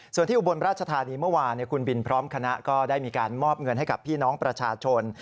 ส่วนที่อุบลราชธานีเมื่อวานคุณบินพร้อมคณะก็ได้มีการมอบเงินให้กับพี่น้องประชาชน